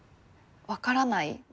分からない